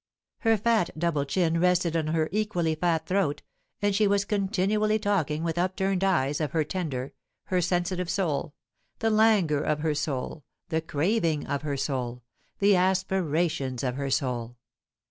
Her fat double chin rested on her equally fat throat; and she was continually talking, with upturned eyes, of her tender, her sensitive soul; the languor of her soul; the craving of her soul; the aspirations of her soul.